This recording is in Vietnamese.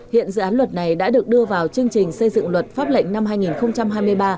hiện dự án luật này đã được đưa vào chương trình xây dựng luật pháp lệnh năm hai nghìn hai mươi ba